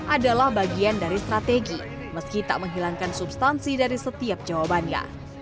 adalah bagian dari strategi meski tak menghilangkan substansi dari setiap jawabannya